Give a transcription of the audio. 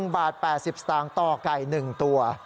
๑บาท๘๐สตางค์ต่อไก่๑ตัว